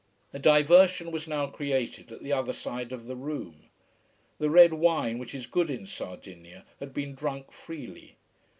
A diversion was now created at the other side of the room. The red wine, which is good in Sardinia, had been drunk freely.